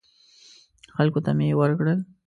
خلکو ته مې ورکړل.